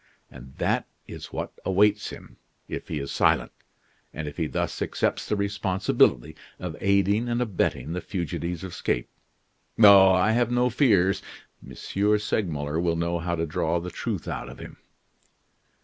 And that is what awaits him, if he is silent, and if he thus accepts the responsibility of aiding and abetting the fugitive's escape. Oh! I've no fears M. Segmuller will know how to draw the truth out of him."